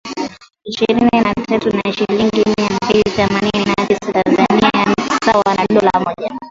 ishirini na tatu na shilingi mia mbili themanini na tisa za Tanzania sawa na dola mmoja